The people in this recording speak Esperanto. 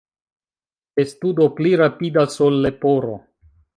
Testudo pli rapidas ol leporo.